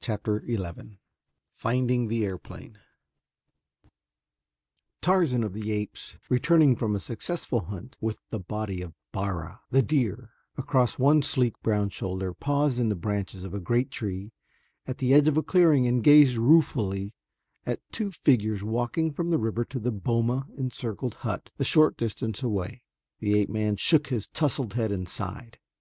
Chapter XI Finding the Airplane Tarzan of the Apes, returning from a successful hunt, with the body of Bara, the deer, across one sleek, brown shoulder, paused in the branches of a great tree at the edge of a clearing and gazed ruefully at two figures walking from the river to the boma encircled hut a short distance away. The ape man shook his tousled head and sighed.